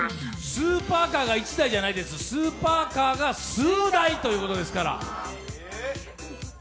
スーパーカーが１台じゃないです、スーパーカーが数台ということですから。